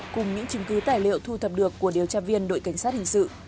cùng những chứng cứ tài liệu thu thập được của điều tra viên đội cảnh sát hình sự